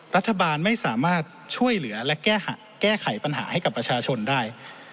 รัฐบาลไม่สามารถช่วยเหลือและแก้ไขปัญหาให้กับประชาชนได้